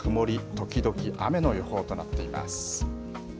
時々雨の予報となっています。